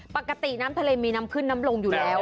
ปกติน้ำทะเลมีน้ำขึ้นน้ำลงอยู่แล้ว